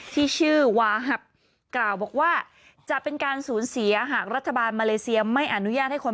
ที่ชื่อว่าจะเป็นการสูญเสียต์หากรัฐบาลมาเลเซียไม่อนุญาตให้คน